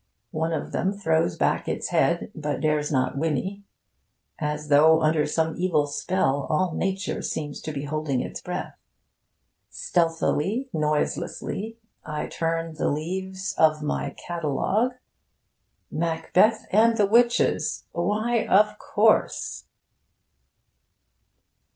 One of them throws back its head, but dares not whinny. As though under some evil spell, all nature seems to be holding its breath. Stealthily, noiselessly, I turn the leaves of my catalogue... 'Macbeth and the Witches.' Why, of course!